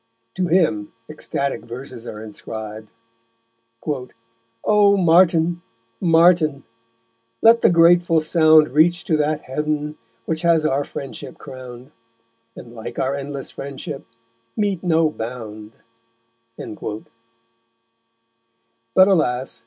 To him ecstatic verses are inscribed: _O Martin! Martin! let the grateful sound Reach to that Heav'n which has our Friendship crown'd, And, like our endless Friendship, meet no bound_. But alas!